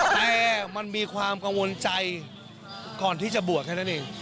แต่มันมีความกังวลใจก่อนที่จะบวชแค่นั้นเอง